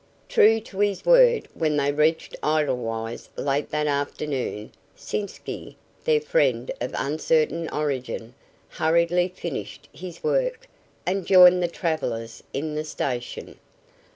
True to his word, when they reached Edelweiss late that afternoon Sitzky, their friend of uncertain origin, hurriedly finished his work and joined the travelers in the station.